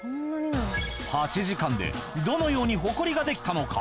８時間でどのようにホコリができたのか？